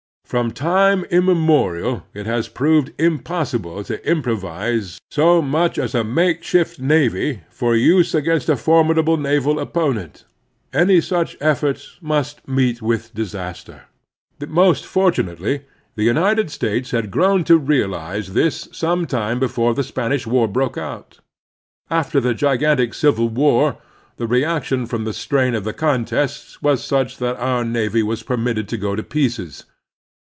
From time immemorial it has proved impossible to im provise so much as a makeshift navy for use against a formidable naval opponent. Any such effort must meet with disaster. Most fortimately, the United States had grown to realize this some time before the Spanish war broke out. After the gigantic Civil War the reaction from the strain of the contest was such that our navy was permitted to go to pieces.